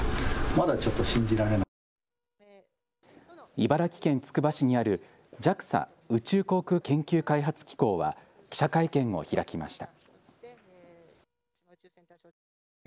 茨城県つくば市にあるＪＡＸＡ・宇宙航空研究開発機構は記者会見を開きました。